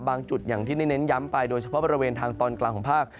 จุดอย่างที่ได้เน้นย้ำไปโดยเฉพาะบริเวณทางตอนกลางของภาค